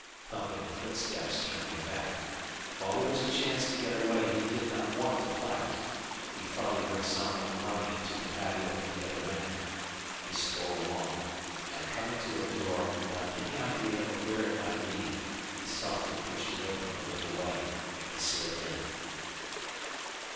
Thumping footsteps turned him back. While there was a chance to get away he did not want to fight. He thought he heard someone running into the patio from the other end. He stole along, and coming to a door, without any idea of where it might lead, he softly pushed it open a little way and slipped in.